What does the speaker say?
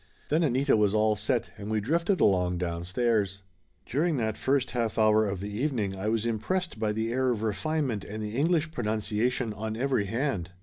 Then Anita was all set and we drifted along downstairs. During that first half hour of the evening I was impressed by the air of refinement and the English pronunciation on every hand.